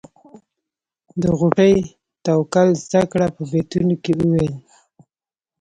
د غوټۍ توکل زده کړه په بیتونو کې وویل.